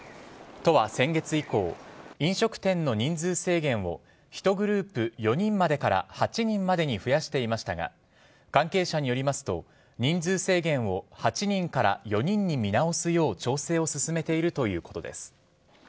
都は先月以降飲食店の人数制限を１グループ４人までから８人までに増やしていましたが関係者によりますと人数制限を８人から４人に見直すよう調整を進めているということです。